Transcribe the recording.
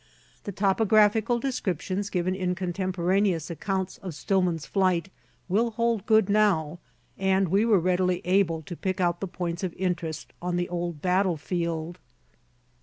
The topographical descriptions given in contemporaneous accounts of Stillman's flight will hold good now, and we were readily able to pick out the points of interest on the old battlefield.